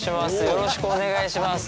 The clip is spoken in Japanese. よろしくお願いします